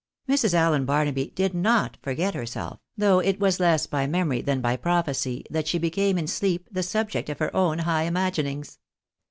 Mrs. Allen Barnaby did not forget herself, though it was less by memory than by prophecy, that she became in sleep the subject of her own high imaginings.